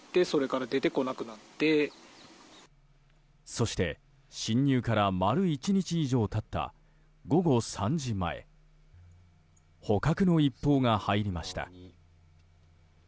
そして、侵入から丸１日以上経った午後３時前捕獲の一報が入りました。